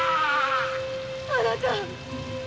あなた！